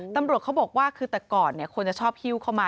ตำรวจเขาบอกว่าคือแต่ก่อนคนจะชอบหิ้วเข้ามา